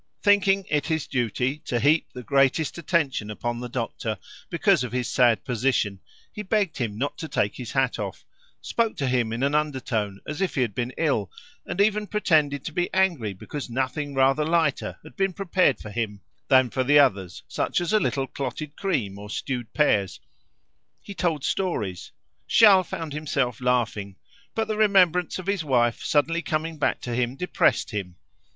Thinking it his duty to heap the greatest attention upon the doctor because of his sad position, he begged him not to take his hat off, spoke to him in an undertone as if he had been ill, and even pretended to be angry because nothing rather lighter had been prepared for him than for the others, such as a little clotted cream or stewed pears. He told stories. Charles found himself laughing, but the remembrance of his wife suddenly coming back to him depressed him.